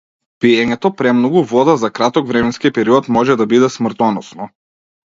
Пиењето премногу вода за краток временски период може да биде смртоносно.